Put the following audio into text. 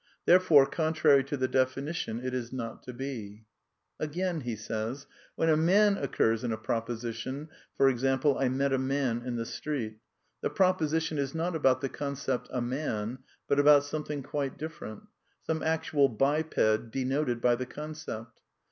Therefore, con trary to the definition, it is not to be. Again: When a man occurs in a proposition (e.g. I met a man in the street) the proiMsition is not about the concept a man but about something quite different ^ some actual biped, denoted' by the concept.